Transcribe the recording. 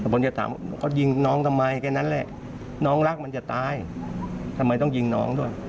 ผมจะถามเขายิงน้องทำไมแค่นั้นแหละน้องรักมันจะตายทำไมต้องยิงน้องด้วย